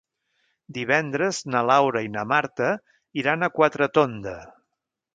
Divendres na Laura i na Marta iran a Quatretonda.